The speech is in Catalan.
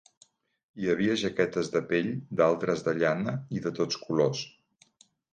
Hi havia jaquetes de pell, d'altres de llana, i de tots colors.